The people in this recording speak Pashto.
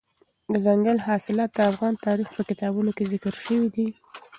دځنګل حاصلات د افغان تاریخ په کتابونو کې ذکر شوي دي.